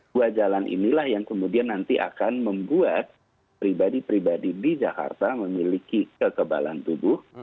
dua jalan inilah yang kemudian nanti akan membuat pribadi pribadi di jakarta memiliki kekebalan tubuh